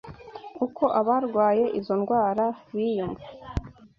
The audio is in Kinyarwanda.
uko abarwaye izo ndwara biyumva